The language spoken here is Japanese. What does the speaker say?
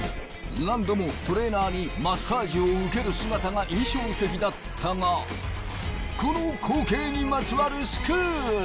何度もトレーナーにマッサージを受ける姿が印象的だったがこの光景にまつわるスクープ！